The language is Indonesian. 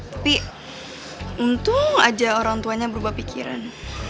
tapi untung aja orang tuanya berubah pikiran